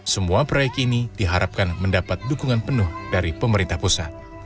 semua proyek ini diharapkan mendapat dukungan penuh dari pemerintah pusat